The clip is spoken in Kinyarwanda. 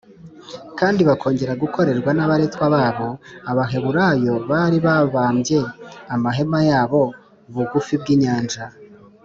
kandi bakongera gukorerwa n’abaretwa babo. abaheburayo bari babambye amahema yabo bugufi bw’inyanja,